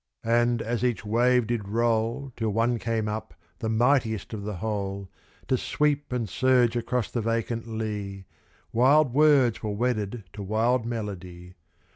And as each wave did roll Till one came up, the mightiest of the whole, To sweep and surge across the vacant lea, Wild words were wedded to wild melody.